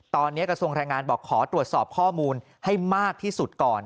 ตอนนี้กระทรวงแรงงานบอกขอตรวจสอบข้อมูลให้มากที่สุดก่อน